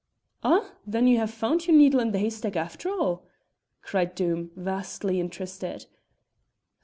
"Ah! then you have found your needle in the haystack after all?" cried Doom, vastly interested.